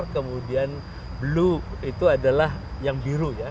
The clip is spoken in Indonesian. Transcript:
kemudian blue itu adalah yang biru ya